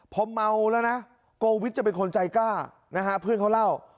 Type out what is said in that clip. พอเมาแล้วนะโกวิทจะเป็นคนใจกล้านะฮะเพื่อนเขาเล่า